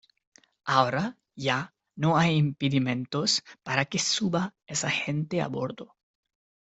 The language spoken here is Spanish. ahora ya no hay impedimentos para que suba esa gente a bordo.